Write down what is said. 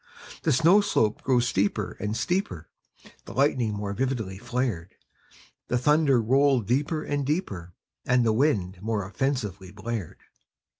The snow slope grew steeper and steeper; The lightning more vividly flared; The thunder rolled deeper and deeper; And the wind more offensively blared.